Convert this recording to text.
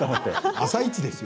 「あさイチ」ですよ